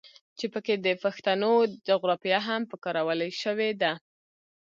چې پکښې د پښتنو جغرافيه هم پکارولے شوې ده.